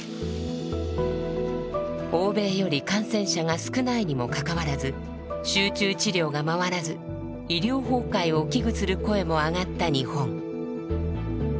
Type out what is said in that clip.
欧米より感染者が少ないにもかかわらず集中治療が回らず医療崩壊を危惧する声も上がった日本。